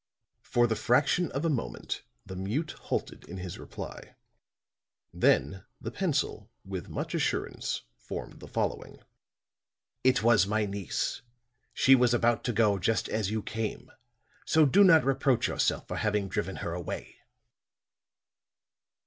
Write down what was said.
For the fraction of a moment the mute halted in his reply. Then the pencil with much assurance formed the following: "It was my niece. She was about to go just as you came; so do not reproach yourself for having driven her away."